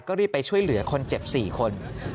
ก็รีบไปช่วยเหลือคนเจ็บ๔คน